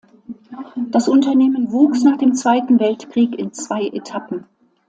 Das Unternehmen wuchs nach dem Zweiten Weltkrieg in zwei Etappen.